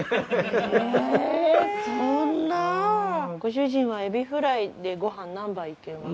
そんなご主人はエビフライでごはん何杯いけます？